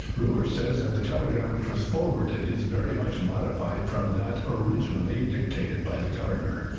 _" Rumor says that the telegram which was forwarded is very much modified from that originally dictated by the governor.